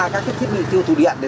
các cái thiết bị tiêu thủ điện